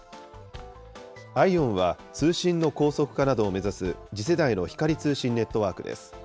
ＩＯＷＮは通信の高速化などを目指す、次世代の光通信ネットワークです。